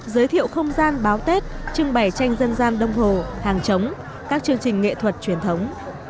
giới thiệu không gian báo tết trưng bày tranh dân gian đông hồ hàng trống các chương trình nghệ thuật truyền thống